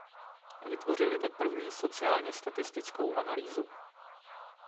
Vytvořili tak první sociálně statistickou analýzu.